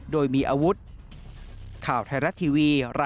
เดี๋ยว